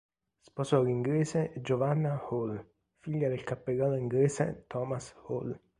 Sposò l'inglese Giovanna Hall, figlia del cappellano inglese Thomas Hall.